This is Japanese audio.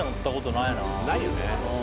ないよね。